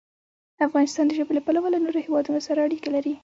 افغانستان د ژبې له پلوه له نورو هېوادونو سره اړیکې لري.